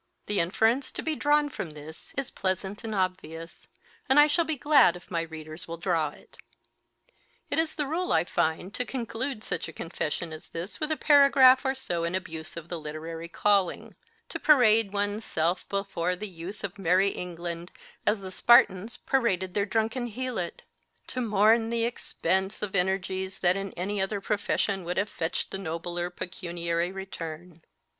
The inference to be drawn from this is pleasant and obvious, and I shall be glad if my readers will draw it. It is the rule, I find, to conclude such a confession as this with a paragraph or so in abuse of the literary calling ; to parade one s self before the youth of merry England as the Spartans paraded their drunken Helot ; to mourn the expense MR. AND MRS. QUILLER COUCH IN A CANADIAN CANOE oi energies that in any other profession would have fetched a nobler pecuniary return.